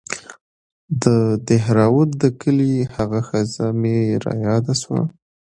د دهروات د کلي هغه ښځه مې راياده سوه.